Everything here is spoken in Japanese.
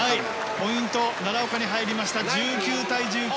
ポイントは奈良岡に入って１９対１９。